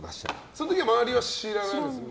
その時は周りは知らないですよね。